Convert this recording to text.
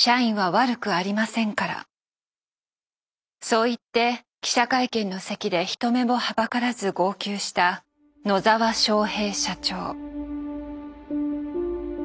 そう言って記者会見の席で人目もはばからず号泣した野澤正平社長。